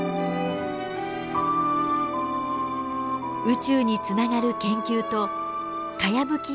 宇宙につながる研究とかやぶき